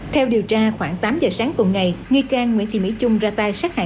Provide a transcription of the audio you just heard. theo điều tra khoảng tám giờ sáng tuần ngày nghị can nguyễn thị mỹ trung ra tay sát hại